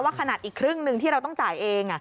ขนาดอีกครึ่งหนึ่งที่เราต้องจ่ายเอง